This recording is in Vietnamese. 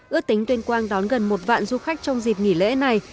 ước tính tuyên quang đón gần một vạn du khách trong dịp nghỉ lễ này